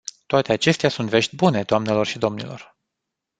Toate acestea sunt vești bune, doamnelor și domnilor.